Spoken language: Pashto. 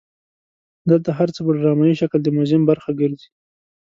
دلته هر څه په ډرامایي شکل د موزیم برخه ګرځي.